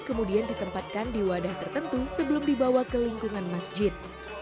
kemudian ditempatkan di wadah tertentu sebelum dibawa ke lingkungan masjid